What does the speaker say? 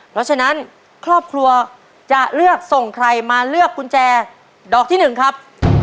เพราะฉะนั้นครอบครัวจะเลือกส่งใครมาเลือกกุญแจดอกที่๑ครับ